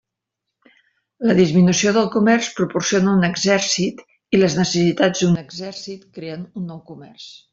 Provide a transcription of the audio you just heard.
La disminució del comerç proporciona un exèrcit i les necessitats d'un exèrcit creen un nou comerç.